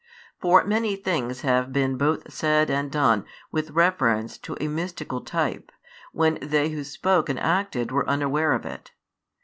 For many things have been both said and done with, reference to a mystical type, when they who spoke and acted were unaware of it.